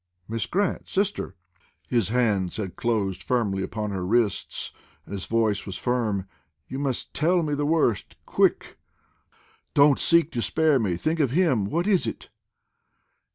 "Miss Grant, sister!" His hands had closed firmly upon her wrists, and his voice was firm. "You must tell me the worst, quick. Don't seek to spare me; think of him! What is it?"